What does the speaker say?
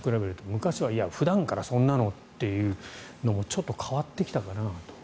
昔は普段からそんなのっていうのもちょっと変わってきたかなと。